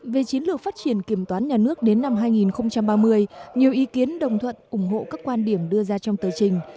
về chiến lược phát triển kiểm toán nhà nước đến năm hai nghìn ba mươi nhiều ý kiến đồng thuận ủng hộ các quan điểm đưa ra trong tờ trình